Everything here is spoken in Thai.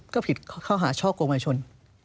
ก็ผิดเข้าหาช่อโกงวัยชน